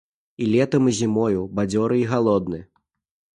І летам і зімою бадзёры і галодны.